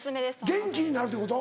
元気になるということ？